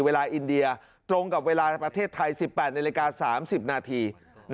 อินเดียตรงกับเวลาในประเทศไทย๑๘นาฬิกา๓๐นาที